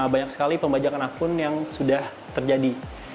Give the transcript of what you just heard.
banyak sekali pembajakan akun yang sudah terjadi